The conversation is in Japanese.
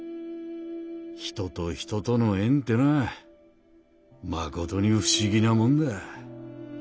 人と人との縁ってのはまことに不思議なもんだ。